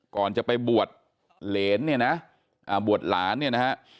ก่อนจะไปบวชเหรนเนี่ยนะบวชหลานเนี่ยนะฮะ